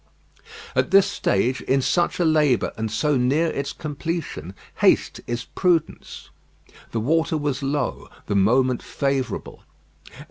At this stage, in such a labour and so near its completion, haste is prudence. The water was low; the moment favourable.